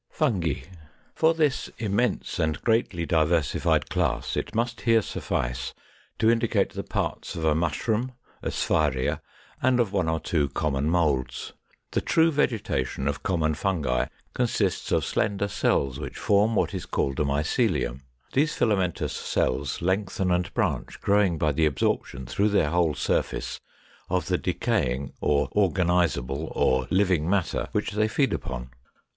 ] 516. =Fungi.= For this immense and greatly diversified class, it must here suffice to indicate the parts of a Mushroom, a Sphæria, and of one or two common Moulds. The true vegetation of common Fungi consists of slender cells which form what is called a Mycelium. These filamentous cells lengthen and branch, growing by the absorption through their whole surface of the decaying, or organizable, or living matter which they feed upon.